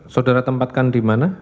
saudara tempatkan dimana